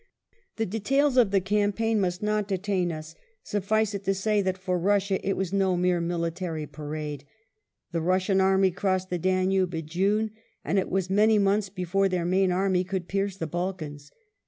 The details of the campaign must not detain us — suffice it to say that for Russia it was no mere military parade. The Russian army crossed the Danube in June, but it was many months before their main army could pierce the Balkans.